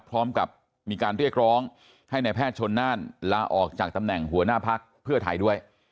พร้อมกับมีการเรียกร้องให้นายแพทย์ชนน่านลาออกจากตำแหน่งหัวหน้าพักเพื่อไทยด้วย